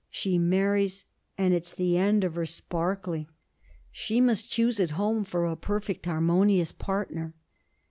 She marries, and it's the end of her sparkling. She must choose at home for a perfect harmonious partner.'